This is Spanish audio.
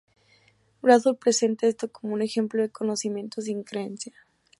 Radford presenta esto como un ejemplo de conocimiento sin creencia.